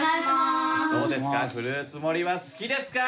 どうですか？